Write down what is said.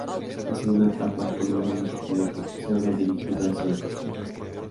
La segunda etapa, con un único piloto, se habría dirigido hacia el objetivo.